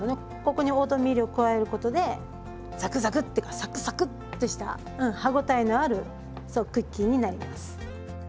ここにオートミールを加えることでザクザクッてかサクサクッてしたうん歯応えのあるそうクッキーになります。